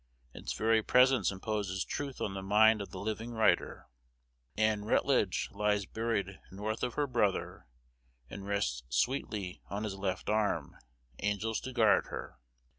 Its very presence imposes truth on the mind of the living writer. Ann Rutledge lies buried north of lier brother, and rests sweetly on his left arm, angels to guard her.